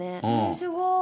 すごい！